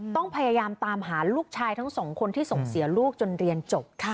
ต้องพยายามตามหาลูกชายทั้งสองคนที่ส่งเสียลูกจนเรียนจบ